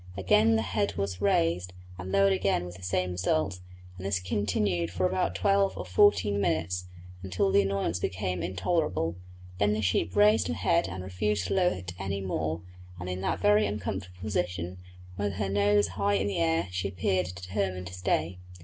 Again the head was raised, and lowered again with the same result, and this continued for about twelve or fourteen minutes, until the annoyance became intolerable; then the sheep raised her head and refused to lower it any more, and in that very uncomfortable position, with her nose high in the air, she appeared determined to stay.